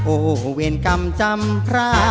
โอ้โหเวรกรรมจำพระ